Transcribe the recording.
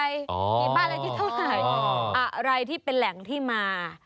อ๋อพี่บ้านอายุเท่าไรอะไรที่เป็นแหล่งที่มา